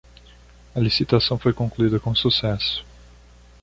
A licitação foi concluída com sucesso